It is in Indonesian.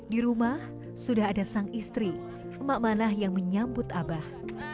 di rumah sudah ada sang istri jiwi kanupin brawa mae